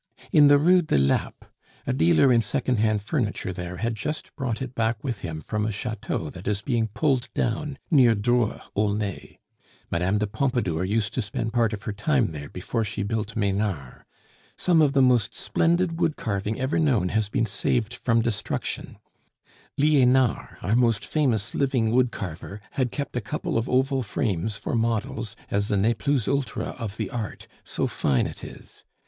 "In the Rue de Lappe. A dealer in second hand furniture there had just brought it back with him from a chateau that is being pulled down near Dreux, Aulnay. Mme. de Pompadour used to spend part of her time there before she built Menars. Some of the most splendid wood carving ever known has been saved from destruction; Lienard (our most famous living wood carver) had kept a couple of oval frames for models, as the ne plus ultra of the art, so fine it is.